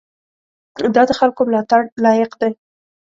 دا د خلکو ملاتړ لایق دی.